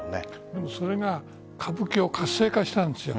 でもそれが歌舞伎を活性化したんです。